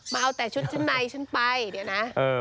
มาเอาแต่ชุดชั้นในฉันไปเดี๋ยวนะ